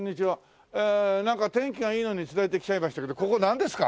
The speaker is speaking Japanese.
なんか天気がいいのに釣られて来ちゃいましたけどここなんですか？